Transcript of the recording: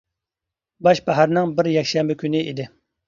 باش باھارنىڭ بىر يەكشەنبە كۈنى ئىدى.